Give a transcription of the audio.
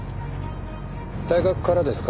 大学からですか？